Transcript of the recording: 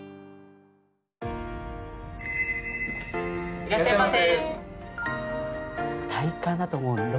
いらっしゃいませ。